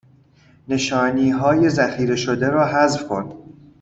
نشانی های ذخیره شده را حذف کن